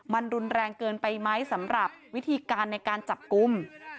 มันรุนแรงเกินไปไหมสำหรับวิธีการในการจับกลุ่ม